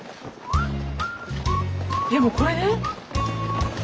でもこれで？